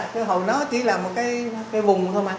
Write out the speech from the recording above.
chứ hồi đó chỉ là một cái vùng thôi mà